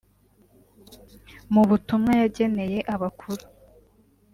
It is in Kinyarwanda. Mu butumwa yageneye abakuru